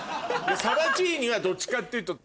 サバティーニはどっちかっていうと。